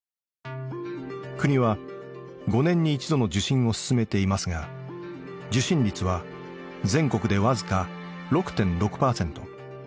国は５年に１度の受審を勧めていますが受審率は全国でわずか６．６パーセント。